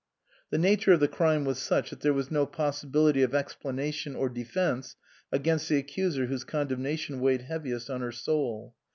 The nature of the crime was such that there was no possibility of explanation or defence against the accuser whose condemnation weighed heaviest on her soul.